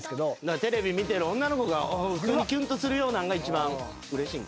テレビ見てる女の子が普通にキュンとするようなんが一番うれしいんかな？